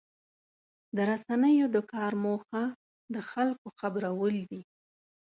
د رسنیو د کار موخه د خلکو خبرول دي.